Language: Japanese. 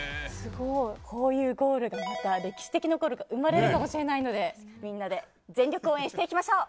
こういうゴールがまた歴史的なゴールが生まれるかもしれないのでみんなで全力応援していきましょう。